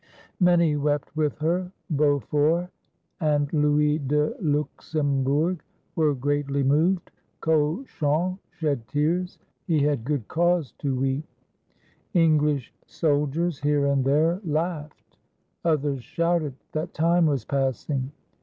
Many wept with her, Beaufort and Louis de Luxem bourg were greatly moved, Cauchon shed tears, — he had good cause to weep. English soldiers, here and there, laughed, others shouted that time was passing.